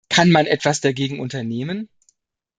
Kann man etwas dagegen unternehmen?